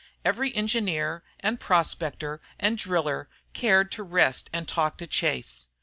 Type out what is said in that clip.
Every engineer and prospector and driller cared to rest and talk to Chase.